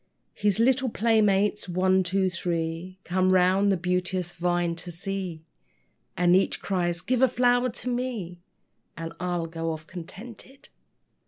His little playmates, one, two, three, Come round the beauteous vine to see, And each cries, "Give a flower to me, And I'll go off contented."